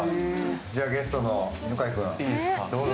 じゃあゲストの犬飼君、どうぞ。